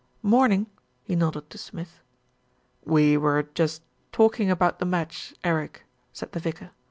Morning," he nodded to Smith. "We were just talking about the match, Eric," said the vicar.